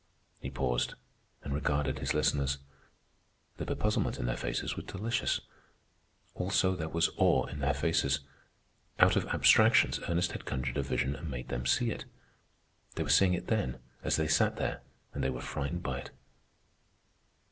He paused and regarded his listeners. The bepuzzlement in their faces was delicious. Also, there was awe in their faces. Out of abstractions Ernest had conjured a vision and made them see it. They were seeing it then, as they sat there, and they were frightened by it.